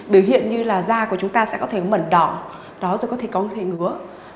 biểu hiện như da của chúng ta có thể mẩn đỏ có thể có thể ngứa